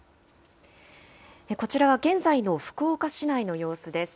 こちらは現在の福岡市内の様子です。